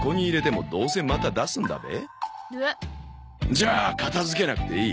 じゃあ片付けなくていい。